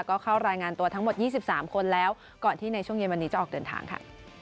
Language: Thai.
ก็เข้ารายงานตัวทั้งหมด๒๓คนแล้วก่อนที่ในช่วงเย็นวันนี้จะออกเดินทางค่ะ